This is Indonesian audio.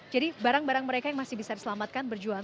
jadi barang barang mereka yang masih bisa diselamatkan berjualan